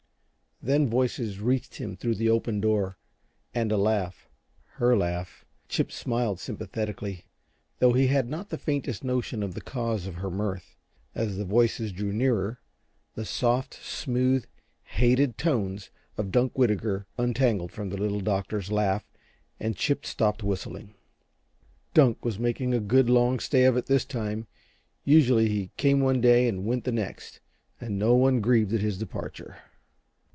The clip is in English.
Then voices reached him through the open door, and a laugh HER laugh. Chip smiled sympathetically, though he had not the faintest notion of the cause of her mirth. As the voices drew nearer, the soft, smooth, hated tones of Dunk Whitaker untangled from the Little Doctor's laugh, and Chip stopped whistling. Dunk was making a good, long stay of it this time; usually he came one day and went the next, and no one grieved at his departure.